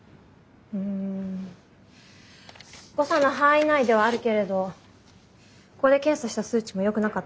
うん誤差の範囲内ではあるけれどここで検査した数値もよくなかった。